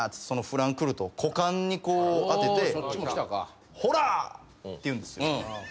そのフランクフルトを股間にこう当てて「ほら！」って言うんですよ。